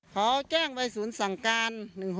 เขาแจ้งไปศูนย์สั่งการ๑๖๖